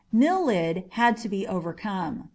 Milid had to be overcome.